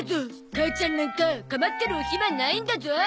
母ちゃんなんか構ってるお暇ないんだゾ。